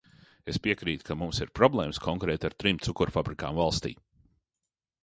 Es piekrītu, ka mums ir problēmas konkrēti ar trim cukurfabrikām valstī.